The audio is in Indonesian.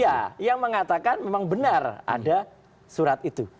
ya yang mengatakan memang benar ada surat itu